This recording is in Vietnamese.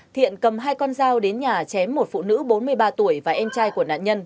thiện cầm hai con dao đến nhà chém một phụ nữ bốn mươi ba tuổi và em trai của nạn nhân